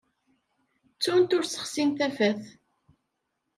Ttunt ur ssexsin tafat.